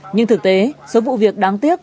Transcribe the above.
nhưng thực tế số vụ việc đáng tiếc